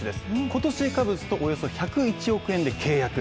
今年カブスとおよそ１０１億円で契約。